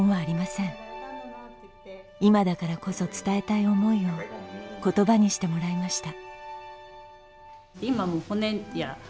今だからこそ伝えたい思いを言葉にしてもらいました。